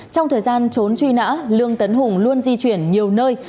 trong thời gian trốn truy nã lương tấn hùng luôn di chuyển nhiều nơi